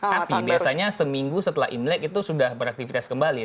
tapi biasanya seminggu setelah imlek itu sudah beraktivitas kembali